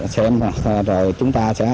xem rồi chúng ta sẽ